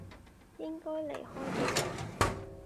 應該離開嘅人